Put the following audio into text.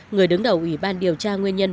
người đứng đầu ủy ban điều tra nguyên nhân